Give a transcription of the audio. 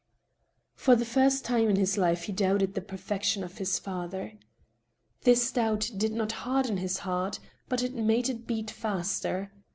For the first time in his life he doubted the perfection of his father. This doubt did not harden his heart, but it made it beat faster.